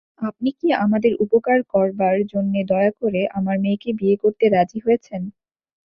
আপনি কি আমাদের উপকার করবার জন্যে দয়া করে আমার মেয়েকে বিয়ে করতে রাজি হয়েছেন?